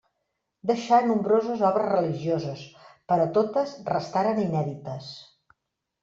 Deixà nombroses obres religioses, però totes restaren inèdites.